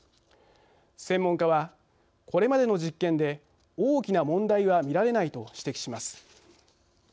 専門家は「これまでの実験で大きな問題は見られない」と指摘します。